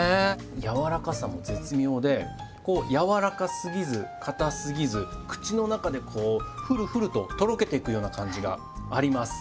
軟らかさも絶妙でこう軟らかすぎず硬すぎず口の中でこうふるふるととろけていくような感じがあります。